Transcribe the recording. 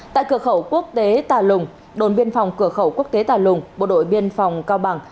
tại cửa khẩu quốc tế tà lùng đồn biên phòng cửa khẩu quốc tế tà lùng bộ đội biên phòng cao bằng